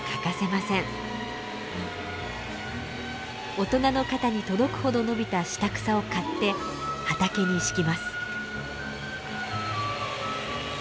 大人の肩に届くほど伸びた下草を刈って畑に敷きます。